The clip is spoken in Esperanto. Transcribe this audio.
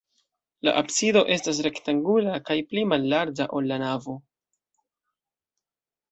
La absido estas rektangula kaj pli mallarĝa, ol la navo.